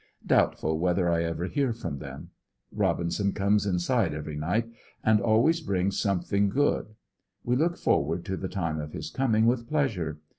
Doubtful whether I ever hear from them. Robin son comes inside every night and always brings something good. 16 ANDERSONVILLE DIARY. We look forward to the time of his coming with pleasure.